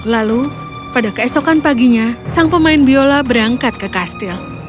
lalu pada keesokan paginya sang pemain biola berangkat ke kastil